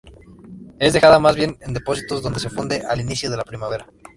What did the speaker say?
Es dejada más bien en depósitos, donde se funde al inicio de la primavera.